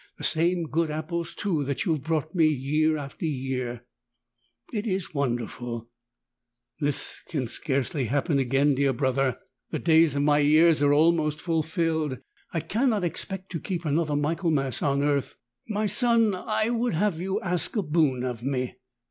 The same good apples too that you have brought me year by year: it is wonderful ! This can scarcely happen again, dear Brother. 28 The days of my years are almost fulfilled : I cannot expect to keep another Michaelmas on earth. My son, I would have you ask a boon of me.